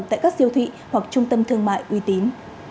tại các siêu thị hoặc trung tâm thương mại uy tín